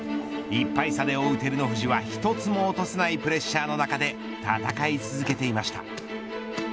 １敗差で追う照ノ富士は一つも落とせないプレッシャーの中で戦い続けていました。